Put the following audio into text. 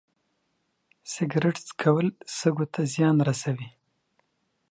سګرټ څکول سږو ته زیان رسوي.